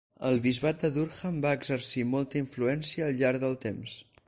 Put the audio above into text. El bisbat de Durham va exercir molta influència al llarg del temps.